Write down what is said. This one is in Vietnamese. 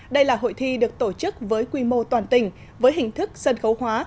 đây là hội thi được tổ chức với quy mô toàn tỉnh với hình thức sân khấu hóa